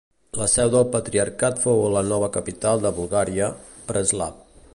La seu del Patriarcat fou la nova capital de Bulgària, Preslav.